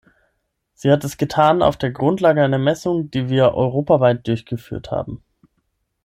Sie hat es getan auf der Grundlage einer Messung, die wir europaweit durchgeführt haben.